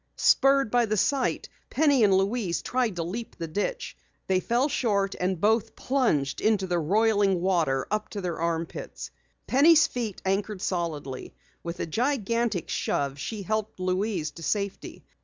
Spurred by the sight, Penny and Louise tried to leap the ditch. They fell far short and both plunged into the boiling water up to their arm pits. Penny's feet anchored solidly. With a gigantic shove, she helped Louise to safety.